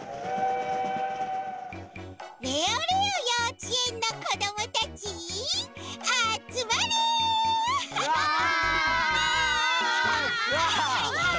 レオレオようちえんのこどもたちあつまれ！わい！